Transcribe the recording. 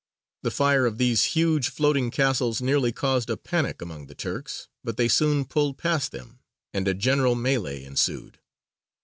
The fire of these huge floating castles nearly caused a panic among the Turks, but they soon pulled past them, and a general melley ensued.